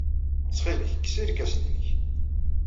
Ttxil-k, kkes irkasen-nnek.